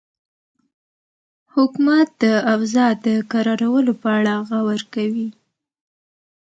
حکومت د اوضاع د کرارولو په اړه غور کوي.